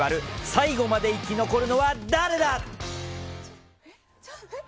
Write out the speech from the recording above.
最後まで生き残るのは誰だ。